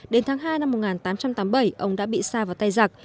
đến tháng hai năm một nghìn tám trăm tám mươi bảy ông đã bị xa vào tay giặc